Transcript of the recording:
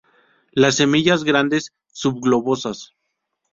Las semillas grandes, subglobosas.